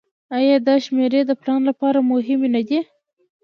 آیا دا شمیرې د پلان لپاره مهمې نه دي؟